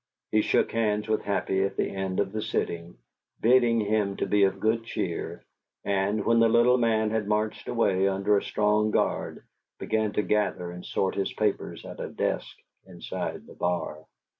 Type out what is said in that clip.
He shook hands with Happy at the end of the sitting, bidding him be of good cheer, and, when the little man had marched away, under a strong guard, began to gather and sort his papers at a desk inside the bar.